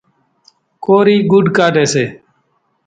ڪورِي ڳوُڏ ڪاڍيَ سي۔